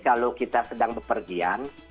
kalau kita sedang berpergian